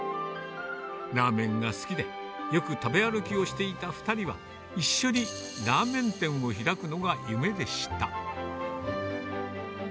ラーメンが好きで、よく食べ歩きをしていた２人は、一緒にラーメン店を開くのが夢でした。